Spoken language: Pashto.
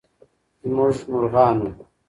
زموږ مرغانو